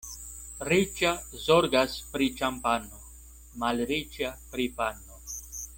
Riĉa zorgas pri ĉampano, malriĉa pri pano.